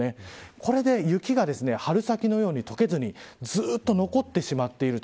これで雪が春先のように解けずにずっと残ってしまっていると。